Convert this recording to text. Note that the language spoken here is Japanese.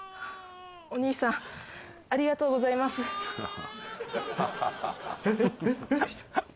お兄さんありがとうございますえっ？